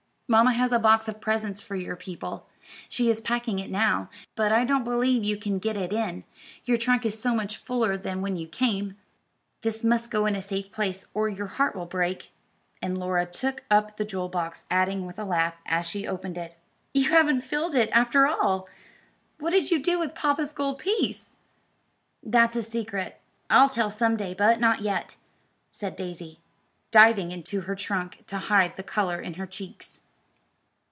Mamma has a box of presents for your people. She is packing it now, but I don't believe you can get it in; your trunk is so much fuller than when you came. This must go in a safe place, or your heart will break," and Laura took up the jewel box, adding with a laugh, as she opened it, "you haven't filled it, after all! What did you do with papa's gold piece?" "That's a secret. I'll tell some day, but not yet," said Daisy, diving into her trunk to hide the color in her cheeks.